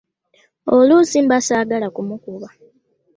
Oluusi mba saagala kumukuba.